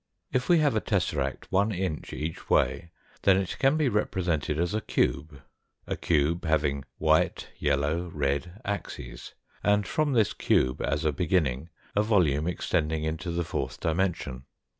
If we have a tesseract one inch each way, then it can be represented as a cube a cube having white, yellow, red axes, and from this cube as a beginning, a volume extending into the fourth dimension.